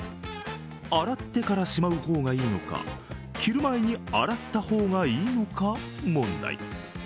洗ってからしまう方がいいのか着る前に洗った方がいいのか、問題